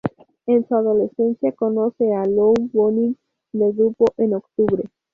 En su adolescencia conoce a Lou Bonin del Grupo en octubre.